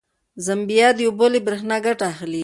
زمبیا د اوبو له برېښنا ګټه اخلي.